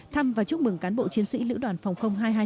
thăm và chúc mừng cán bộ chiến sĩ lữ đoàn phòng hai trăm hai mươi hai